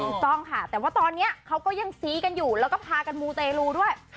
ถูกต้องค่ะแต่ว่าตอนนี้เขาก็ยังซี้กันอยู่แล้วก็พากันมูเตรลูด้วย